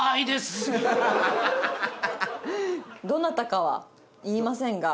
どなたかは言いませんが。